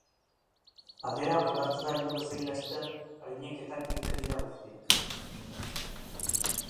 Patera hondartzara heldu bezain laster, arineketan irten dira guztiak.